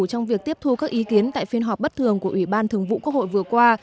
trong việc tiếp thu các ý kiến tại phiên họp bất thường của ủy ban thường vụ quốc hội vừa qua